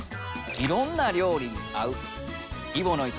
いろんな料理に合う揖保乃糸